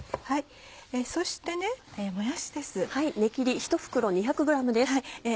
そしてもやしです。